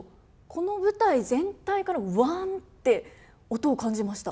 この舞台全体からウワンって音を感じました。